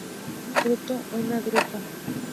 Fruto una drupa.